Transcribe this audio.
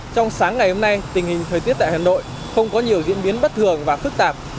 trong sáng ngày hôm nay tình hình thời tiết tại hà nội không có nhiều diễn biến bất thường và phức tạp